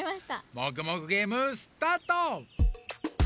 「もぐもぐゲーム」スタート！